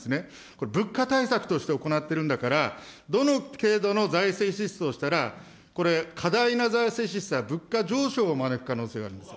これ、物価対策として行ってるんだから、どの程度の財政支出をしたら、これ、過大な財政支出は物価上昇を招く可能性があります。